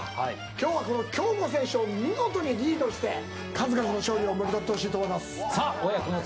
今日は京子選手を見事にリードして数々の勝利をもぎ取ってほしいと思います。